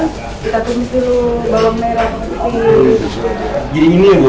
ikan tombol itu pertama kita bersihkan kita masuk di dalam air yang sudah mendidih